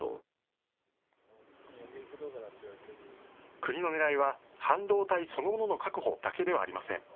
国のねらいは、半導体そのものの確保だけではありません。